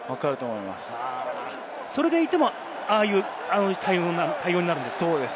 それでいても、ああいう対応になる。